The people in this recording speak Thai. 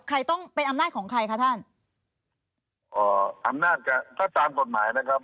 ใครต้องเป็นอำนาจของใครคะท่านเอ่ออำนาจจะถ้าตามกฎหมายนะครับ